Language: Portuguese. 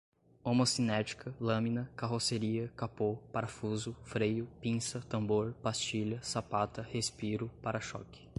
homocinética, lâmina, carroceria, capô, parafuso, freio, pinça, tambor, pastilha, sapata, respiro, pára-choque